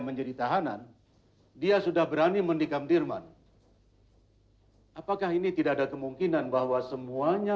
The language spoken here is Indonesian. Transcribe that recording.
menjadi tahanan dia sudah berani mendikam dirman apakah ini tidak ada kemungkinan bahwa semuanya